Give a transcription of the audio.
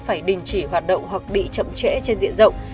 phải đình chỉ hoạt động hoặc bị chậm trễ trên diện rộng